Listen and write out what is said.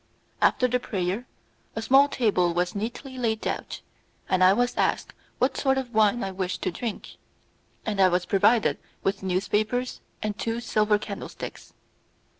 After the prayer, a small table was neatly laid out, I was asked what sort of wine I wished to drink, and I was provided with newspapers and two silver candlesticks.